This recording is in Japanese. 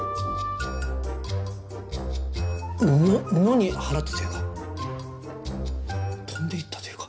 野に放ったというか飛んでいったというか。